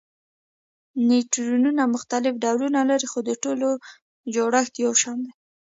نیورونونه مختلف ډولونه لري خو د ټولو جوړښت یو شان دی.